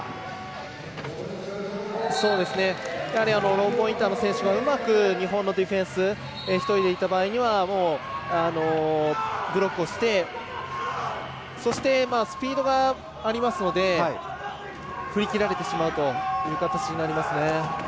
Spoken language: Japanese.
ローポインターの選手がうまく日本のディフェンス１人でいった場合にはブロックをしてそしてスピードがありますので振り切られるという形になりますね。